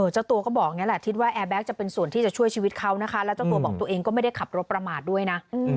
เจ้าตัวก็บอกอย่างนี้แหละคิดว่าแอร์แก๊กจะเป็นส่วนที่จะช่วยชีวิตเขานะคะแล้วเจ้าตัวบอกตัวเองก็ไม่ได้ขับรถประมาทด้วยนะ